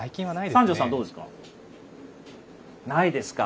三條さん、どうですか？